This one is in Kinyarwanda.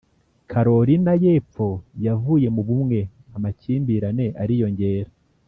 carolina yepfo yavuye mubumwe, amakimbirane ariyongera